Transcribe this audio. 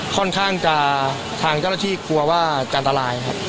ค่อนข้างจะทางเจ้าหน้าที่กลัวว่าจะอันตรายครับ